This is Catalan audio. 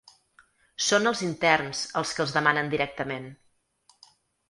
Són els interns els que els demanen directament.